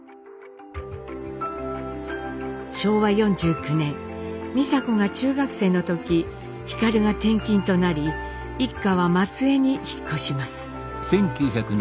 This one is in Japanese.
昭和４９年美佐子が中学生の時皓が転勤となり一家は松江に引っ越します。